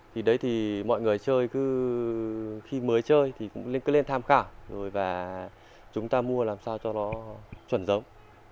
thì đấy thì mọi người chơi cứ khi mới chơi thì cũng cứ lên tham khảo rồi và chúng ta mua làm sao cho nó chuẩn giống